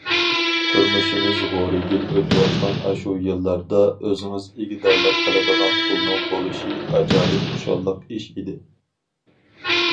تۇرمۇشىمىز غورىگىل ئۆتۈۋاتقان ئاشۇ يىللاردا، ئۆزىڭىز ئىگىدارلىق قىلىدىغان پۇلنىڭ بولۇشى ئاجايىپ خۇشاللىق ئىش ئىدى.